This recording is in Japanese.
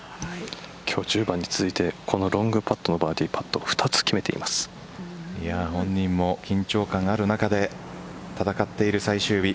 今日１０番に続いてロングパットのバーディーパット本人も緊張感ある中で戦っている最終日。